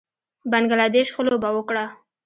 بنګله دېش ښه لوبه وکړه